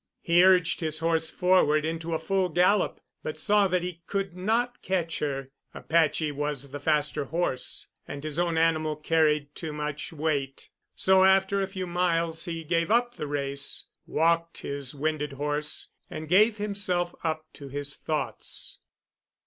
He urged his horse forward into a full gallop, but saw that he could not catch her. Apache was the faster horse, and his own animal carried too much weight. So after a few miles he gave up the race, walked his winded horse, and gave himself up to his thoughts.